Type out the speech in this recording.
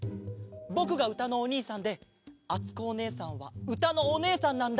ぼくがうたのおにいさんであつこおねえさんはうたのおねえさんなんだ。